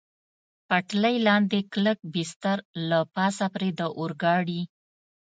پټلۍ لاندې کلک بستر، له پاسه پرې د اورګاډي.